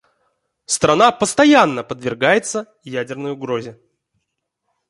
Страна постоянно подвергается ядерной угрозе.